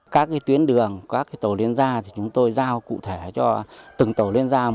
các tuyến đường các tàu liên gia chúng tôi giao cụ thể cho từng tàu liên gia